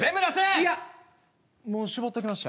いやもう搾っときました。